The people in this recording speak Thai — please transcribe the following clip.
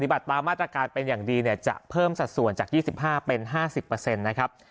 บัตรตามมาตรการเป็นอย่างดีเนี่ยจะเพิ่มสัดส่วนจาก๒๕เป็น๕๐นะครับ